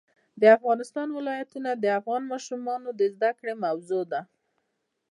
د افغانستان ولايتونه د افغان ماشومانو د زده کړې موضوع ده.